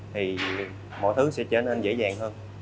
thì mọi thứ sẽ trở nên dễ dàng hơn